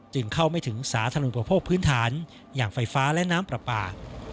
จึงเข้าไม่ถึงสาธารณูประโภคพื้นฐานอย่างไฟฟ้าและน้ำปลาปลา